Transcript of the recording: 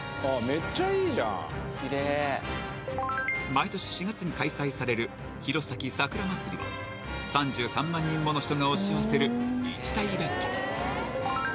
めっちゃいいじゃんキレイ毎年４月に開催される弘前さくらまつりは３３万人もの人が押し寄せる